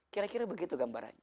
kira kira begitu gambarannya